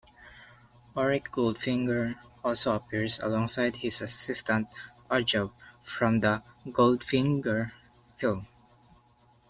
Auric Goldfinger also appears, alongside his assistant, Oddjob, from the "Goldfinger" film.